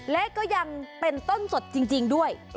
และก็ยังเป็นต้นสดจริงด้วย